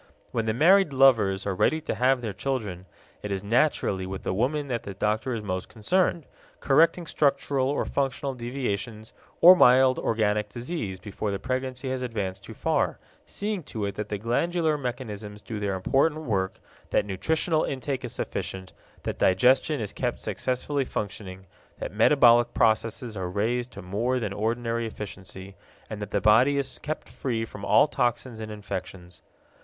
When the married lovers are ready to have their children, it is naturally with the woman that the doctor is most concerned, correcting structural or functional deviations or mild organic disease before the pregnancy has advanced too far, seeing to it that the glandular mechanisms do their important work, that nutritional intake is sufficient, that digestion is kept successfully functioning, that metabolic processes are raised to more than ordinary efficiency, and that the body is kept free from all toxins and infections.